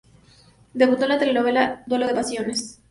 Debutó en la telenovela "Duelo de pasiones".